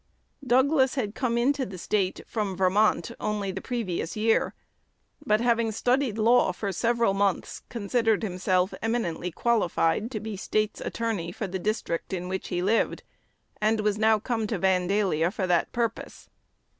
Douglas had come into the State (from Vermont) only the previous year, but, having studied law for several months, considered himself eminently qualified to be State's attorney for the district in which he lived, and was now come to Vandalia for that purpose.